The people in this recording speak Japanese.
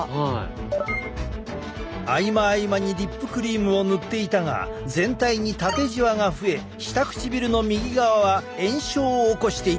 合間合間にリップクリームを塗っていたが全体にタテじわが増え下唇の右側は炎症を起こしていた。